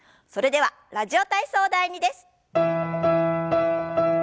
それでは「ラジオ体操第２」です。